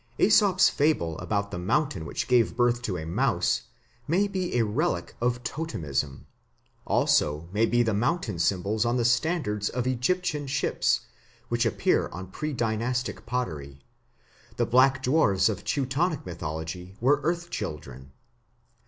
Aesop's fable about the mountain which gave birth to a mouse may be a relic of Totemism; so also may be the mountain symbols on the standards of Egyptian ships which appear on pre dynastic pottery; the black dwarfs of Teutonic mythology were earth children.